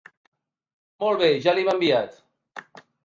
Molt bé ja li hem enviat.